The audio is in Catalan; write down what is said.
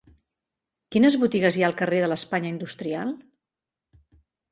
Quines botigues hi ha al carrer de l'Espanya Industrial?